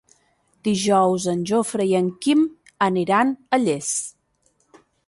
Dijous en Jofre i en Quim aniran a Llers.